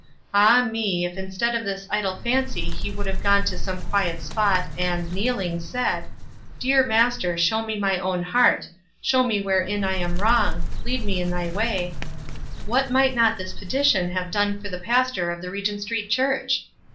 Ah, me, if in stead of this idle fancy he would have gone to some quiet spot, and kneeling, said, "Dear Master, show me my own heart ; show me wherein I am wrong; lead me in thy way," what might not this petition have done for the pastor of the Ivegeut Street Church?